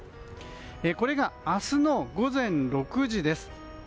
これが明日の午前６時です。